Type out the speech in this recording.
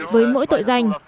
với mỗi tội danh